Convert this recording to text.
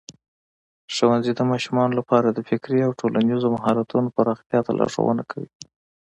ښوونځی د ماشومانو لپاره د فکري او ټولنیزو مهارتونو پراختیا ته لارښوونه کوي.